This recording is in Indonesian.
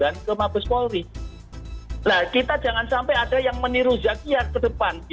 nah kita jangan sampai ada yang meniru zakia ke depan